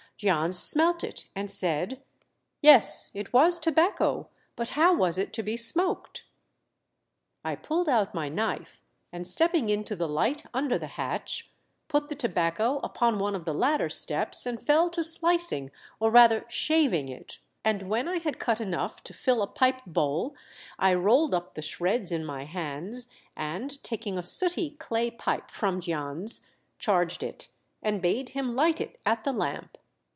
Jans smelt it and said "Yes, it was tobacco, but how was it to be smoked ?" I pulled out my knife, and stepping into the light under the hatch, put the tobacco upon one of the ladder steps and fell to slicing or rather shaving it, and when I had cut enough to fill a pipe bowl I rolled up the shreds in my hands, and taking a sooty clay pipe from Jans, charged it, and bade him light it at the lamp.